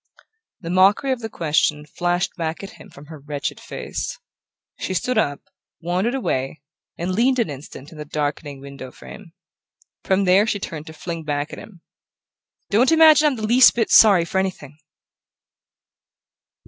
The mockery of the question flashed back at him from her wretched face. She stood up, wandered away, and leaned an instant in the darkening window frame. From there she turned to fling back at him: "Don't imagine I'm the least bit sorry for anything!"